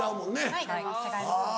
はい違います。